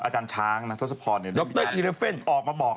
ธรรมดาก็ไม่กิน